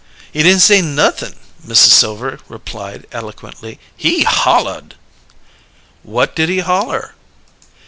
"He di'n' say nothin'," Mrs. Silver replied eloquently. "He hollered." "What did he holler?"